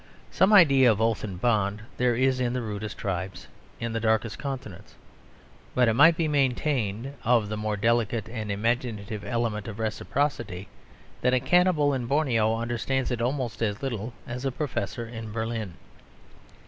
Some idea of oath and bond there is in the rudest tribes, in the darkest continents. But it might be maintained, of the more delicate and imaginative element of reciprocity, that a cannibal in Borneo understands it almost as little as a professor in Berlin.